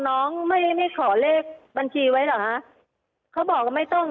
น้องไม่ไม่ขอเลขบัญชีไว้เหรอฮะเขาบอกว่าไม่ต้อง